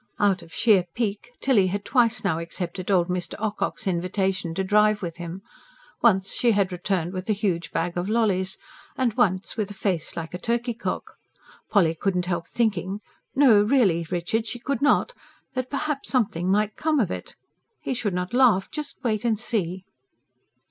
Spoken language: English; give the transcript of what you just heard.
Out of sheer pique Tilly had twice now accepted old Mr. Ocock's invitation to drive with him. Once, she had returned with a huge bag of lollies; and once, with a face like a turkey cock. Polly couldn't help thinking ... no, really, Richard, she could not! ... that perhaps something might COME of it. He should not laugh; just wait and see.